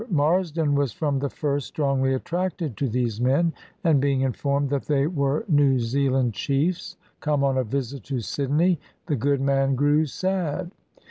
Marsden was from the first strongly attracted to these men, and being informed that they were New Zealand chiefs, come on a visit to Sydney, the good man grew sad.